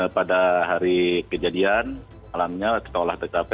pada hari kejadian malamnya kita olah tkp